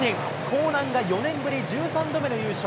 興南が４年ぶり１３度目の優勝。